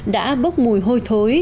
đã bốc mùi hôi thối